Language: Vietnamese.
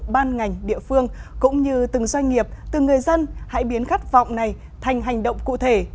ban ngành địa phương cũng như từng doanh nghiệp từng người dân hãy biến khát vọng này thành hành động cụ thể